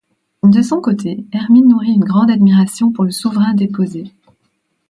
De son côté, Hermine nourrit une grande admiration pour le souverain déposé.